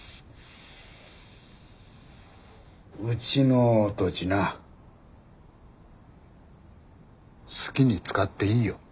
うちの土地な好きに使っていいよ。